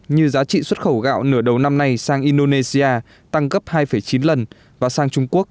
như giá trị xuất khẩu gạo nửa đầu năm nay sang indonesia tăng gấp hai chín lần và sang trung quốc